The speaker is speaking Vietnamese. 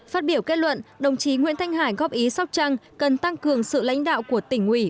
phát biểu kết luận đồng chí nguyễn thanh hải góp ý sóc trăng cần tăng cường sự lãnh đạo của tỉnh ủy